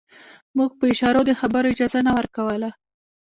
موږ په اشارو د خبرو اجازه نه ورکوله.